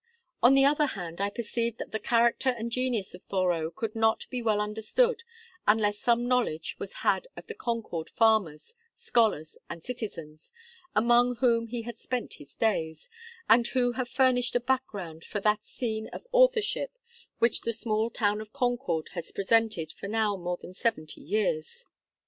On the other hand, I perceived that the character and genius of Thoreau could not be well understood unless some knowledge was had of the Concord farmers, scholars, and citizens, among whom he had spent his days, and who have furnished a background for that scene of authorship which the small town of Concord has presented for now more than seventy years.